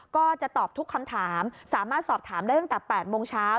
ก็จะตอบทุกคำถามสามารถสอบถามได้ตั้งแต่๘โมงเช้า